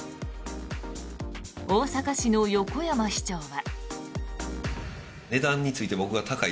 大阪市の横山市長は。